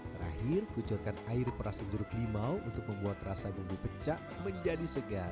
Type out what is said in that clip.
terakhir kucurkan air peras jeruk limau untuk membuat rasa bumbu pecah menjadi segar